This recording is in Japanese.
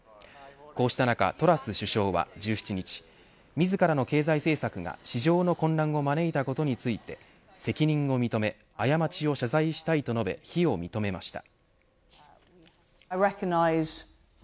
こうした中、トラス首相は１７日自らの経済政策が市場の混乱を招いたことについて責任を認め、過ちを謝罪したいと述べ非を認めました。